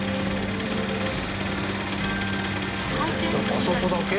あそこだけ？